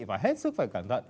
và hết sức phải cẩn thận